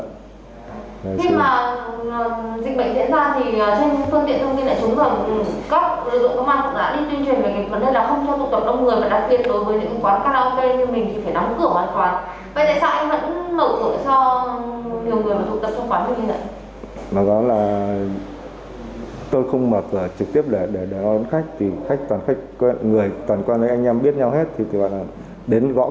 khi mà dịch bệnh diễn ra thì trên phương tiện thông tin lại trốn gần các dự án công an cũng đã đi tuyên truyền về cái vấn đề là không cho tụ tập đông người